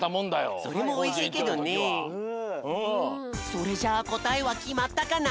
それじゃあこたえはきまったかな？